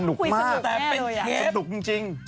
ภูมิสนุกแม่บริอยาตรีภูมิสนุกจริงแต่เป็นเทป